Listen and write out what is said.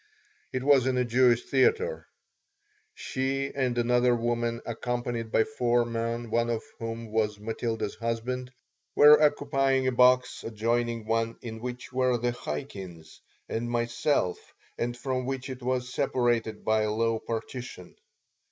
It was in a Jewish theater. She and another woman, accompanied by four men, one of whom was Matilda's husband, were occupying a box adjoining one in which were the Chaikins and myself and from which it was separated by a low partition.